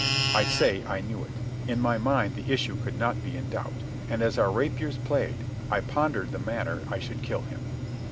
I say I knew it. In my mind the issue could not be in doubt. And as our rapiers played I pondered the manner I should kill him.